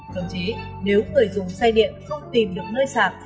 thậm chí nếu người dùng xe điện không tìm được nơi sạc